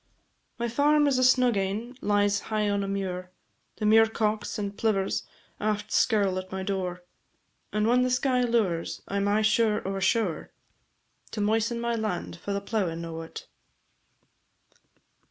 My farm is a snug ane, lies high on a muir, The muircocks and plivers aft skirl at my door, And whan the sky low'rs I 'm aye sure o' a show'r, To moisten my land for the plowin' o't.